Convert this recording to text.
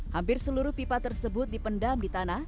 hampir seluruh pipa tersebut dipendam di tanah